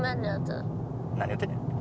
何言うてんねん。